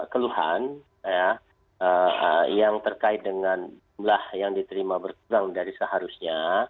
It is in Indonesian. keluhan yang terkait dengan jumlah yang diterima berkurang dari seharusnya